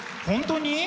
本当に？